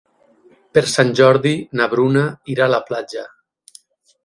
Per Sant Jordi na Bruna irà a la platja.